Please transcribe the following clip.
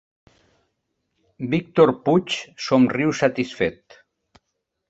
Víctor Puig somriu satisfet.